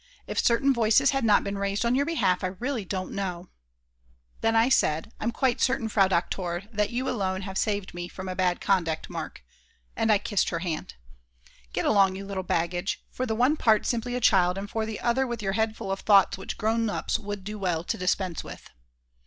If certain voices had not been raised on your behalf, I really don't know ." Then I said: "I'm quite certain, Frau Doktor, that you alone have saved me from a Bad Conduct Mark." And I kissed her hand. "Get along, you little baggage, for the one part simply a child, and for the other with your head full of thoughts which grown ups would do well to dispense with."